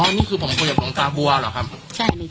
อ๋อนี่คือผมพูดอย่างหลวงตาบัวหรอครับ